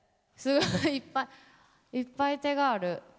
すごいいっぱいいっぱい手がある。